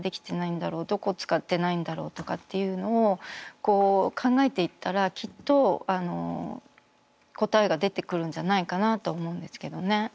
どこを使ってないんだろうとかっていうのを考えていったらきっと答えが出てくるんじゃないかなと思うんですけどね。